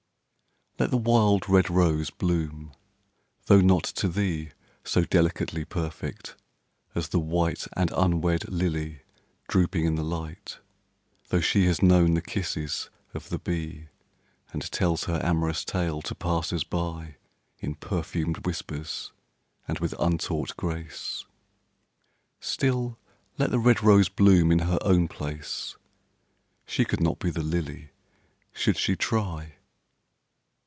Let the wild red rose bloom. Though not to thee So delicately perfect as the white And unwed lily drooping in the light, Though she has known the kisses of the bee And tells her amorous tale to passers by In perfumed whispers and with untaught grace, Still let the red rose bloom in her own place; She could not be the lily should she try.